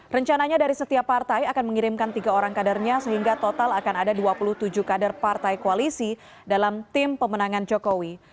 rencananya dari setiap partai akan mengirimkan tiga orang kadernya sehingga total akan ada dua puluh tujuh kader partai koalisi dalam tim pemenangan jokowi